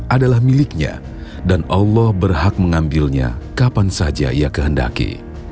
adalah miliknya dan allah berhak mengambilnya kapan saja ia kehendaki